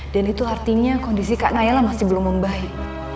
dan itu artinya kondisi kak nayla masih belum membaik